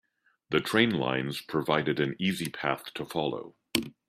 The train lines provided an easy path to follow.